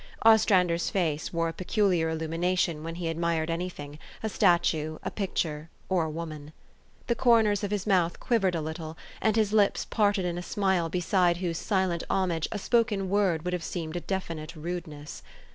Ostrander's face wore a peculiar illumination when he admired any thing, a statue, a picture, THE STORY OF AVIS. 337 or a woman. The corners of his mouth quivered a little, and his lips parted in a smile beside whose silent homage a spoken word would have seemed a definite rudeness.